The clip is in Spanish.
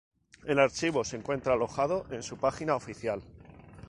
El archivo se encuentra alojado en su página oficial.